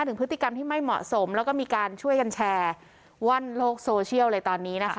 ถึงพฤติกรรมที่ไม่เหมาะสมแล้วก็มีการช่วยกันแชร์วั่นโลกโซเชียลเลยตอนนี้นะคะ